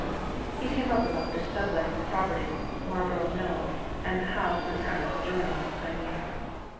"He came up about this sub letting the property Marlborough Mills, and the house and premises adjoining, I mean.